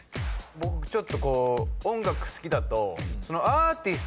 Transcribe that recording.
僕ちょっとこう音楽好きだと。